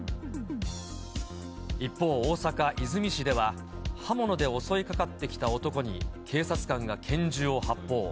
一方、大阪・和泉市では刃物で襲いかかってきた男に警察官が拳銃を発砲。